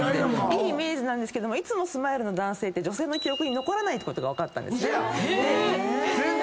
いいイメージですけどもいつもスマイルの男性って女性の記憶に残らないってことが分かったんですね。